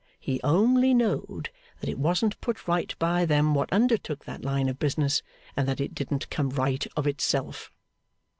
He only know'd that it wasn't put right by them what undertook that line of business, and that it didn't come right of itself.